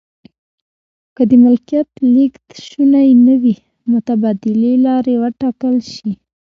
که د ملکیت لیږد شونی نه وي متبادلې لارې و ټاکل شي.